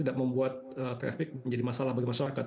ini juga membuat traffic menjadi masalah bagi masyarakat